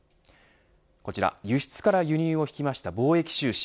こちら輸出から輸入を引きました貿易収支。